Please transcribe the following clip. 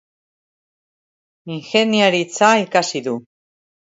Ingeniaritza ikasi du.